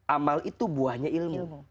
amal itu buahnya ilmu